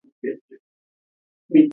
یورانیم د افغانستان د طبیعت د ښکلا برخه ده.